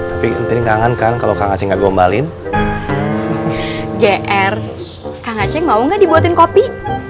tapi ini kangen kan kalau kacengnya gombalin gr kang aceh mau nggak dibuatin kopi